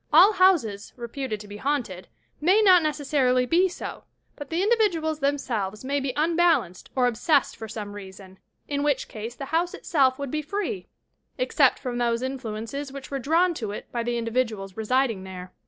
All houses, reputed to be haunted, may not necessarily be so, but the individuals themselves may be unbalanced or obsessed for some reason, — in which case the house itself would be free except from those influ ences which were drawn to it by the individuals residing therein.